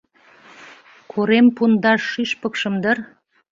Корем пундаш шӱшпыкшым дыр